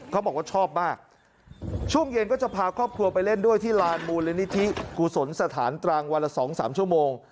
เขาบอกว่าชอบมากช่วงเย็นก็จะพาครอบครัวไปเล่นด้วยที่ลานมูลนิธิกุศลสถานตรังวันละ๒๓ชั่วโมง